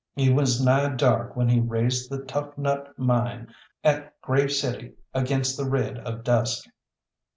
It was nigh dark when he raised the Toughnut Mine at Grave City against the red of dusk.